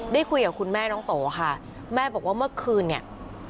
ได้คุยกับคุณแม่น้องโตค่ะแม่บอกว่าเมื่อคืนเนี่ย